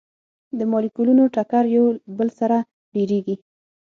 د مالیکولونو ټکر یو بل سره ډیریږي.